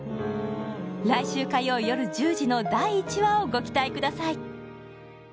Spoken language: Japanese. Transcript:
来週火曜夜１０時の第１話をご期待ください